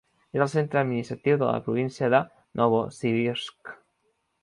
És el centre administratiu de la província de Novosibirsk.